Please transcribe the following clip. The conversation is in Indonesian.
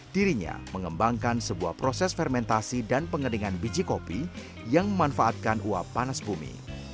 dirinya mengembangkan sebuah proses fermentasi dan pengeringan biji kopi yang memanfaatkan uap panas bumi